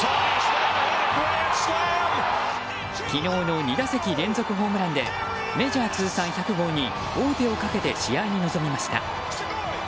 昨日の２打席連続ホームランでメジャー通算１００号に王手をかけて試合に臨みました。